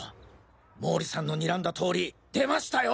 毛利さんのにらんだ通り出ましたよ